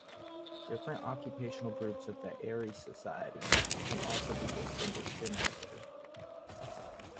Different occupational groups of the Aari society can also be distinguished genetically.